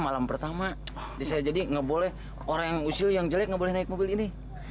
malam pertama bisa jadi nggak boleh orang usia yang jelek ngebahas naik mobil ini